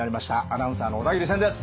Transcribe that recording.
アナウンサーの小田切千です。